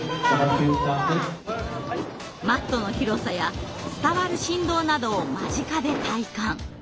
マットの広さや伝わる振動などを間近で体感。